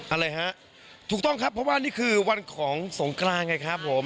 อะไรฮะถูกต้องครับเพราะว่านี่คือวันของสงกรานไงครับผม